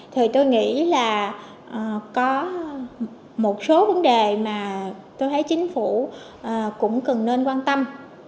thì tôi nghĩ là có một số vấn đề mà tôi thấy chính phủ cũng cần nên quan tâm